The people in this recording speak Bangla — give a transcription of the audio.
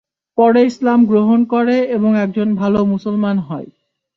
পরে ইসলাম গ্রহণ করে এবং একজন ভাল মুসলমান হয়।